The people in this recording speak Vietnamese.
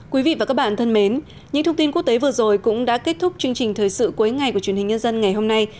quý vị và các bạn thân mến những thông tin quốc tế vừa rồi cũng đã kết thúc chương trình thời sự cuối ngày của truyền hình nhân dân ngày hôm nay